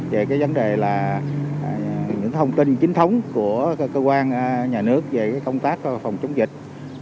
về cái vấn đề là những thông tin chính thống của cơ quan nhà nước về công tác phòng chống dịch